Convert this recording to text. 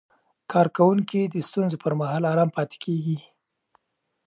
کارکوونکي د ستونزو پر مهال آرام پاتې کېږي.